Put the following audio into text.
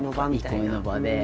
憩いの場で。